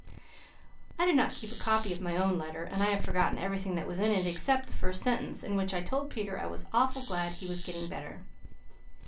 I did not keep a copy of my own letter, and I have forgotten everything that was in it, except the first sentence, in which I told Peter I was awful glad he was getting better.